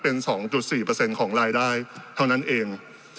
เป็น๒๔ของรายได้เท่านั้นเอง